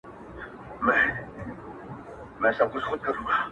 کلی ورو ورو د پیښي له فشار څخه ساه اخلي,